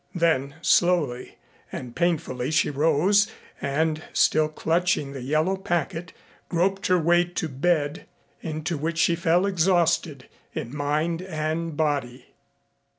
Then slowly and painfully she rose and, still clutching the yellow packet, groped her way to bed, into which she fell exhausted in mind and body.